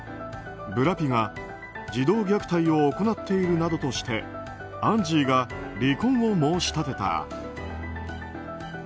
ブラピが児童虐待を行っているなどとしてアンジーが離婚を申し立てた。